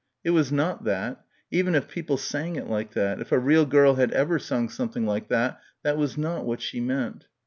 It was not that; even if people sang it like that, if a real girl had ever sung something like that, that was not what she meant